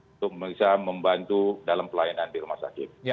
untuk bisa membantu dalam pelayanan di rumah sakit